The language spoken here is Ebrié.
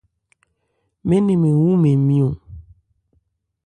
Mɛ́n nɛ mɛn wú mɛn nmyɔ̂n.